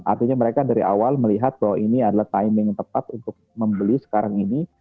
artinya mereka dari awal melihat bahwa ini adalah timing yang tepat untuk membeli sekarang ini